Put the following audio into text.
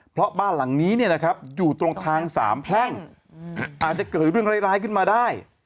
เพราะบ้านหลังนี้อยู่ตรงทางสามแพร่งอาจจะเกิดเรื่องร้ายขึ้นมาได้